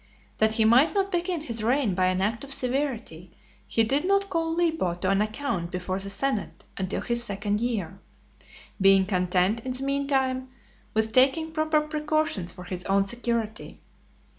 That he might not begin his reign by an act of severity, he did not call Libo to an account before the senate until his second year, being content, in the mean time, with taking proper precautions for his own security.